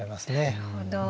なるほど。